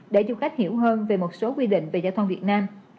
để du khách hiểu hơn về một số quy định về giao thông việt nam